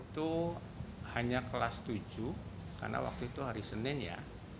itu hanya kelas tujuh karena waktu itu hari senin ya